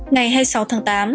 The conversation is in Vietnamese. ngày hai mươi sáu tháng tám